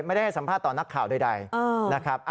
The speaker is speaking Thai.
ไม่ได้ให้สัมภาษณ์ต่อนักข่าวใดนะครับ